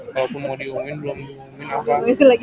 kalau mau diumumin belum diumumin apa hasilnya itu lagi ya